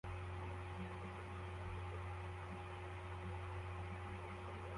Umukozi w'ibihingwa afata ikiruhuko cy'umwotsi